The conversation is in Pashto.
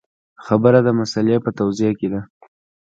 خبره د مسألې په توضیح کې ده.